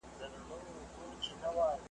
نه به ستا په خیال کي د سپوږمۍ تر کوره تللی وي .